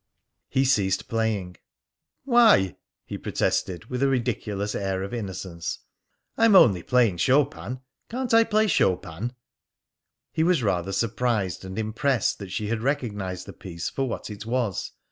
He ceased playing. "Why?" he protested, with a ridiculous air of innocence. "I'm only playing Chopin. Can't I play Chopin?" He was rather surprised and impressed that she had recognised the piece for what it was.